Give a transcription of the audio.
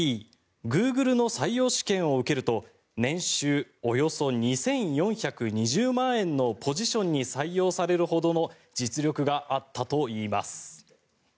グーグルの採用試験を受けると年収およそ２４２０万円のポジションに採用されるほどの実力があったといいます。